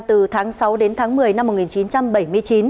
từ tháng sáu đến tháng một mươi năm một nghìn chín trăm bảy mươi chín